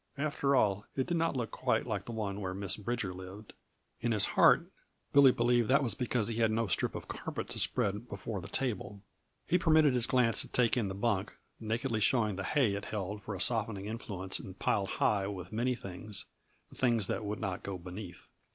After all, it did not look quite like the one where Miss Bridger lived; in his heart Billy believed that was because he had no strip of carpet to spread before the table. He permitted his glance to take in the bunk, nakedly showing the hay it held for a softening influence and piled high with many things the things that would not go beneath.